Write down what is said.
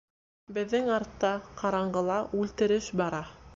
— Беҙҙең артта, ҡараңғыла, үлтереш бара!